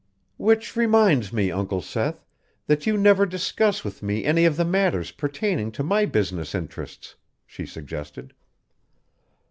"Which reminds me, Uncle Seth, that you never discuss with me any of the matters pertaining to my business interests," she suggested.